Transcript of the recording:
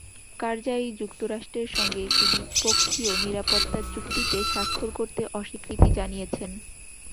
কারজাই যুক্তরাষ্ট্রের সঙ্গে একটি দ্বিপক্ষীয় নিরাপত্তা চুক্তিতে স্বাক্ষর করতে অস্বীকৃতি জানিয়েছেন।